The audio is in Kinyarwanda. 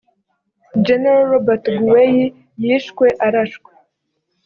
General Robert Guei yishwe arashwe